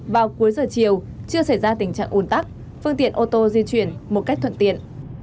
vào cuối giờ chiều chưa xảy ra tình trạng ồn tắc phương tiện ô tô di chuyển một cách thuận tiện